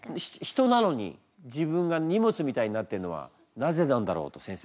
人なのに自分が荷物みたいになってるのはなぜなんだろうと先生。